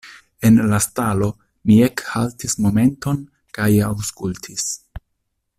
En la stalo mi ekhaltis momenton kaj aŭskultis.